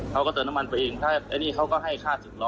เขาก็เติมน้ำมันไปเองถ้าอันนี้เขาก็ให้ค่าจึกล้อ